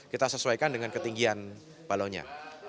kita sesuaikan dengan ketinggian balonnya